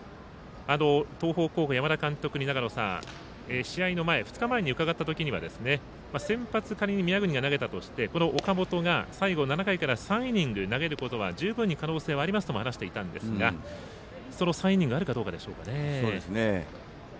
東邦高校、山田監督に試合の前２日前に伺ったときには先発、仮に宮國が投げたとしてこの岡本が最後７回から３イニング投げることは十分に可能性はありますと話していたんですがその３イニングあるかどうかでしょうかね。